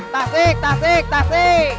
tasik tasik tasik